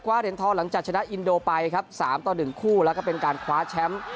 คว้าเหลืองทองหลังจากชนะอินโดไปครับสามต่อหนึ่งคู่แล้วก็เป็นการคว้าแชมป์